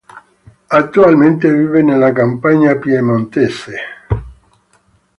Attualmente vive nella campagna piemontese.